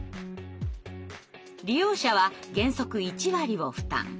利用者は原則１割を負担。